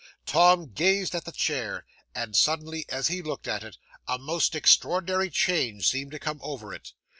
'Tom gazed at the chair; and, suddenly as he looked at it, a most extraordinary change seemed to come over it.